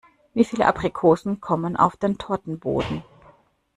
Wie viele Aprikosen kommen auf den Tortenboden?